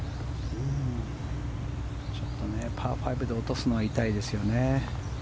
ちょっとパー５で落とすのは痛いですよね。